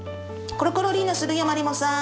コロコロリーナするよマリモさん。